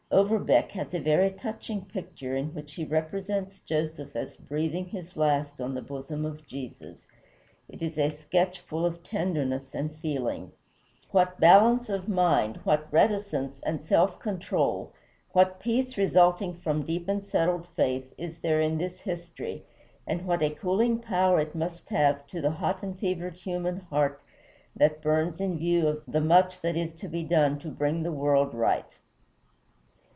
Overbeck has a very touching picture in which he represents Joseph as breathing his last on the bosom of Jesus; it is a sketch full of tenderness and feeling. What balance of mind, what reticence and self control, what peace resulting from deep and settled faith, is there in this history, and what a cooling power it must have to the hot and fevered human heart that burns in view of the much that is to be done to bring the world right!